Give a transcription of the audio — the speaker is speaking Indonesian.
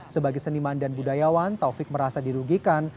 sebagai seniman dan budayawan taufik merasa dirugikan